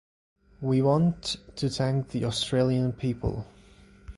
We want to thank the Australian people.